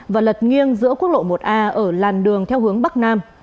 và lật nghiêng giữa quốc lộ một a ở làn đường theo hướng bắc nam